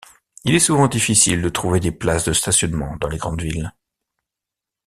Il est souvent difficile de trouver des places de stationnement dans les grandes villes.